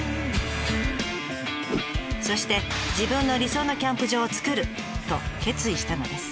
そして自分の理想のキャンプ場をつくると決意したのです。